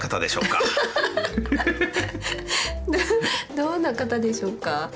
どんな方でしょうか？